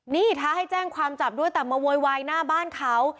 นี่ท้าให้แจ้งความจับด้วยแต่มาโวยวายหน้าบ้านเขา